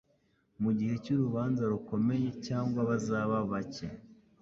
mugihe cyurubanza rukomeye cyangwa bazaba bake